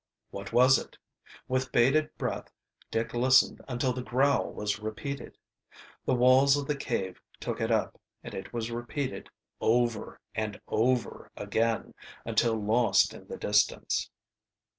What was it? With bated breath Dick listened until the growl was repeated. The walls of the cave took it up, and it was repeated over and over again until lost in the distance.